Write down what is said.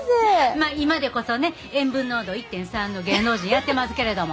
まあ今でこそね塩分濃度１．３の芸能人やってますけれども。